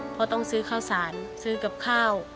เพราะต้องซื้อข้าวสารซื้อกับข้าว